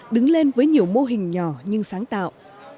đứng lên với nhiều mô hình nhỏ nhưng sáng tạo